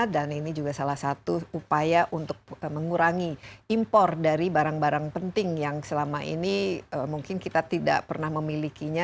dan ini juga salah satu upaya untuk mengurangi impor dari barang barang penting yang selama ini mungkin kita tidak pernah memilikinya